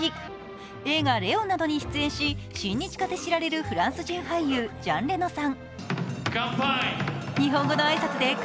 映画「レオン」などに出演し、親日家で知られるフランス人俳優、ジャン・レノさん。